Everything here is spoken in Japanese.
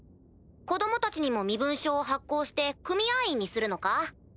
子供たちにも身分証を発行して組合員にするのか？